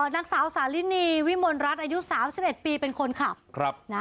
นางสาวสาลินีวิมลรัฐอายุ๓๑ปีเป็นคนขับนะ